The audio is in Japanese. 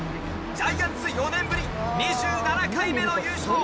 ジャイアンツ４年ぶり２７回目の優勝！